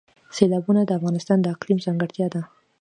سیلابونه د افغانستان د اقلیم ځانګړتیا ده.